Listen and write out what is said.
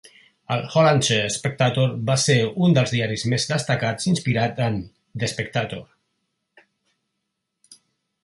El "Hollandsche Spectator" va ser un dels diaris més destacats inspirats en "The Spectator".